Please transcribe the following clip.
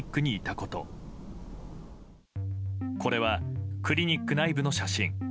これはクリニック内部の写真。